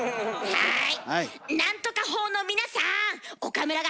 はい。